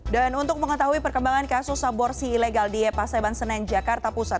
dan untuk mengetahui perkembangan kasus aborsi ilegal di epa seban senen jakarta pusat